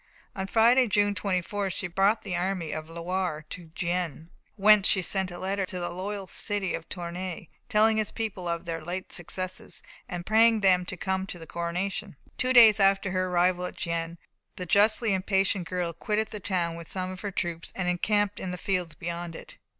On Friday, June 24th, she brought the army of the Loire to Gien, whence she sent a letter to the loyal city of Tournay, telling its people of her late successes, and praying them to come to the coronation. Two days after her arrival at Gien, the justly impatient girl quitted the town with some of her troops and encamped in the fields beyond it.